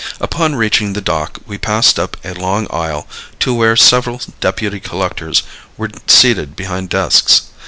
Upon reaching the dock we passed up a long aisle to where several deputy collectors were seated behind desks.